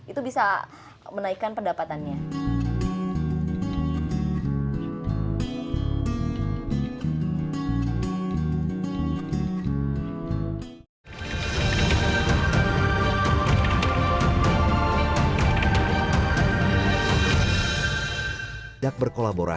itu bisa menaikkan pendapatannya